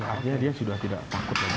artinya dia sudah tidak takut lagi